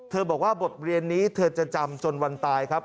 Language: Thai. บอกว่าบทเรียนนี้เธอจะจำจนวันตายครับ